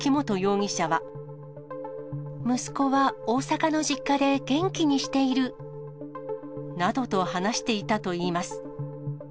息子は大阪の実家で元気にしている。などと話していたといいます。